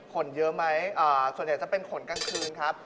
คนเยอะไหมส่วนใหญ่จะเป็นขนกลางคืนครับ